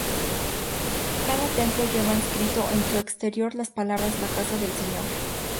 Cada templo lleva inscrito en su exterior las palabras "La Casa del Señor.